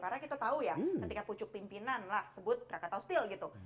karena kita tahu ya ketika pucuk pimpinan lah sebut krakat hostil gitu